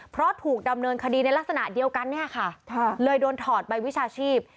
เพราะถูกดำเนินคดีในลักษณะเดียวกันเนี่ยค่ะเลยโดนถอดใบวิชาชีพ